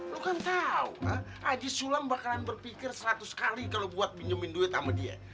lo kan tau jisulam bakalan berpikir seratus kali kalau buat minjemin duit sama dia